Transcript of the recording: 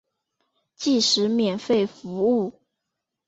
即使免费服务